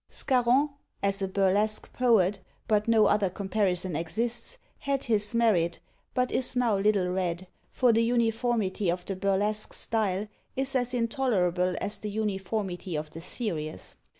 Scarron, as a burlesque poet, but no other comparison exists, had his merit, but is now little read; for the uniformity of the burlesque style is as intolerable as the uniformity of the serious.